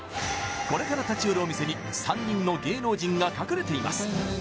これから立ち寄るお店に３人の芸能人が隠れています